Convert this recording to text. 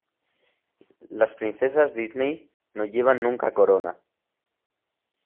Las princesas Disney no llevan nunca corona.